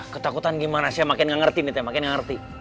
ketakutan gimana saya makin gak ngerti nih pak rt makin gak ngerti